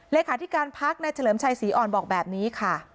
เลขาธิการพักในเฉลิมชัยศรีอ่อนบอกแบบนี้ค่ะ